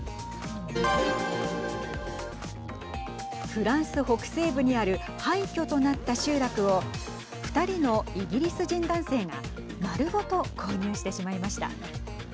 フランス北西部にある廃虚となった集落を２人のイギリス人男性が丸ごと購入してしまいました。